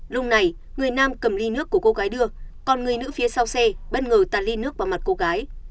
lúc này người nam cầm ly nước của cô gái đưa còn người nữ phía sau xe bất ngờ tali nước vào mặt cô gái